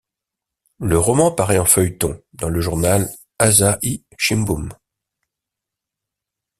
Le roman paraît en feuilleton dans le journal Asahi Shimbun.